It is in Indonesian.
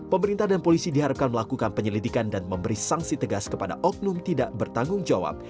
pemerintah dan polisi diharapkan melakukan penyelidikan dan memberi sanksi tegas kepada oknum tidak bertanggung jawab